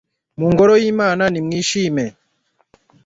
mu ngoro y'imana nimwishime